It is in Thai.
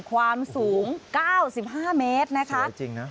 ความสูง๙๕เมตรนะคะสวยจริงนะ